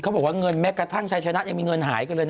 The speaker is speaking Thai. บอกว่าเงินแม้กระทั่งชายชนะยังมีเงินหายกันเลยนะ